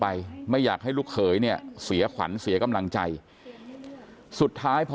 ไปไม่อยากให้ลูกเขยเนี่ยเสียขวัญเสียกำลังใจสุดท้ายพอ